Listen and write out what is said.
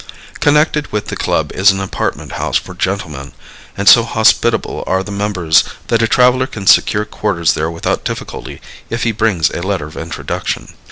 Connected with the club is an apartment house for gentlemen, and so hospitable are the members that a traveler can secure quarters there without difficulty if he brings a letter of introduction.